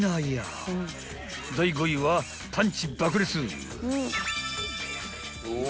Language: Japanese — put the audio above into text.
［第５位はパンチ爆裂］